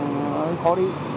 nó khó đi